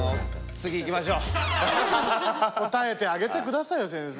応えてあげてくださいよ先生。